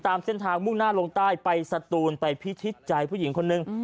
ตามเส้นทางมุ่งหน้าลงใต้ไปสตูนไปพิชิตใจผู้หญิงคนนึง